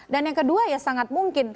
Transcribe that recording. dan yang kedua ya sangat mungkin